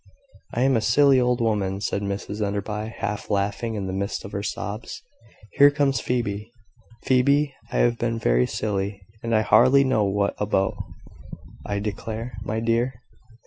"I am a silly old woman," said Mrs Enderby, half laughing in the midst of her sobs. "Here comes Phoebe Phoebe, I have been very silly, and I hardly know what about, I declare. My dear!"